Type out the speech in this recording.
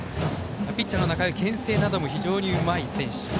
ピッチャーの仲井はけん制なども非常にうまい選手。